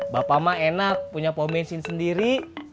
bapak mah enak punya pembensin sendiri